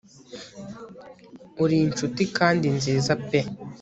uri inshuti kandi nziza pe